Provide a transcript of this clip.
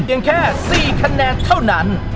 แค่๔คะแนนเท่านั้น